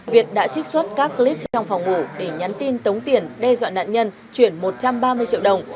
việt đã trích xuất các clip trong phòng ngủ để nhắn tin tống tiền đe dọa nạn nhân chuyển một trăm ba mươi triệu đồng